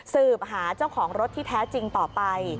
สืบหาเจ้าของรถที่แท้จริงต่อไป